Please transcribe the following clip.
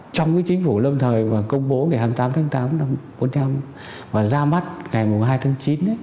trong cái chính phủ lâm thời mà công bố ngày hai mươi tám tháng tám năm bốn mươi năm và ra mắt ngày hai tháng chín